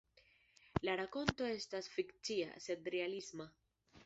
La rakonto estas fikcia, sed realisma.